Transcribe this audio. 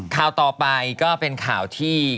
ข่าวต่อไปก็เป็นข่าวที่